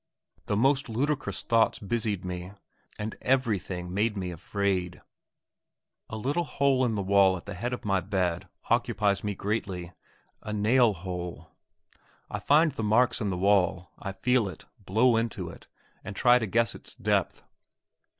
The most ludicrous thoughts busied me, and everything made me afraid. A little hole in the wall at the head of my bed occupies me greatly a nail hole. I find the marks in the wall I feel it, blow into it, and try to guess its depth.